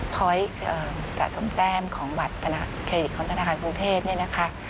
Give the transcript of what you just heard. พอยต์สะสมแต้มของบัตรเครดิตของธนาคารกรุงเทพเนี่ยนะคะ